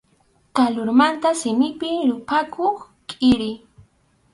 Kalurmanta simipi ruphakuq kʼiri.